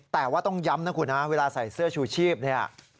แต่ว่าต้องย้ำนะคุณนะเวลาใส่เสื้อชูชีพเนี่ย